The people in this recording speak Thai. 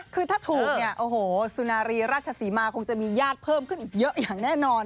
คือถ้าถูกสุนารีราชสีมาคงจะมีญาติเพิ่มขึ้นอีกเยอะอย่างแน่นอน